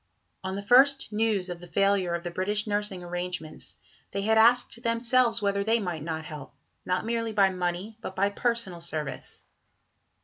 On the first news of the failure of the British nursing arrangements, they had asked themselves whether they might not help, not merely by money, but by personal service.